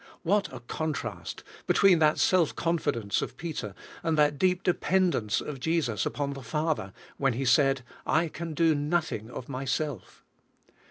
What a contrast between that self confidence of Peter, and that deep dependence of Jesus upon the Father, when He said: "I can do nothing of myself."